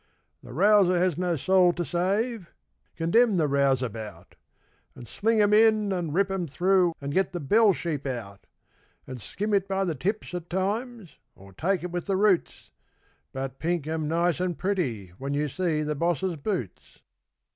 _The 'rouser' has no soul to save. Condemn the rouseabout! And sling 'em in, and rip 'em through, and get the bell sheep out; And skim it by the tips at times, or take it with the roots But 'pink' 'em nice and pretty when you see the Boss's boots.